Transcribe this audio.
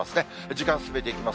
時間進めていきます。